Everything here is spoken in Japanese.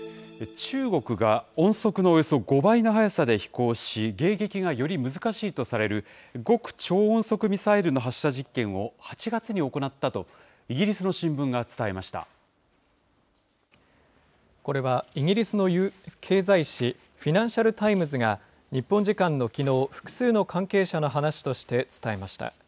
中国が音速のおよそ５倍の速さで飛行し、迎撃がより難しいとされる極超音速ミサイルの発射実験を８月に行ったと、イギリスの新聞これはイギリスの経済紙、フィナンシャル・タイムズが、日本時間のきのう、複数の関係者の話として伝えました。